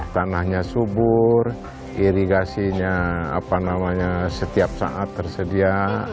tanahnya subur irigasinya setiap saat tersedia